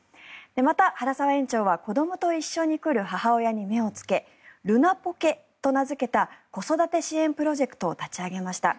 また、原澤園長は子どもと一緒に来る母親に目をつけるなぽけと名付けた子育て支援プロジェクトを立ち上げました。